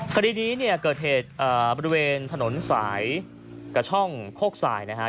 คดีนี้เนี่ยเกิดเหตุบริเวณถนนสายกระช่องโคกสายนะฮะ